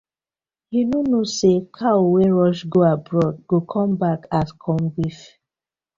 Yu no kno say cow wey rush go abroad go come back as corn beef.